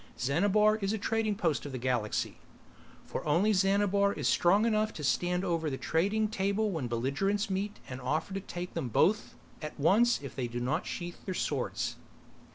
Xanabar is the trading post of the galaxy, for only Xanabar is strong enough to stand over the trading table when belligerents meet and offer to take them both at once if they do not sheathe their swords.